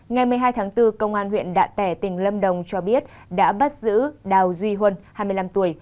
ngày một mươi hai tháng bốn công an huyện đạ tẻ tỉnh lâm đồng cho biết đã bắt giữ đào duy huân hai mươi năm tuổi